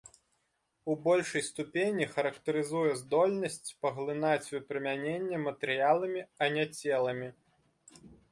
У большай ступені характарызуе здольнасць паглынаць выпрамяненне матэрыяламі, а не целамі.